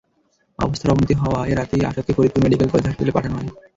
অবস্থার অবনতি হওয়ায় রাতেই আসাদকে ফরিদপুর মেডিকেল কলেজ হাসপাতালে পাঠানো হয়।